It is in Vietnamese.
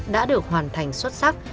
đã được hoàn thành xuất sắc